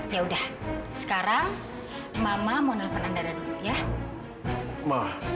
yaudah sekarang mama mau nelfon andara dulu ya